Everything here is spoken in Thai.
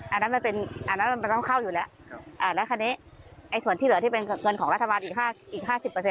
อันนั้นมันต้องเข้าอยู่แล้วแล้วคันนี้ส่วนที่เหลือที่เป็นเงินของรัฐมนตร์อีก๕๐